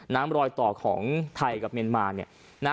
น้ำรอยต่อของไทยกับเมียนมาน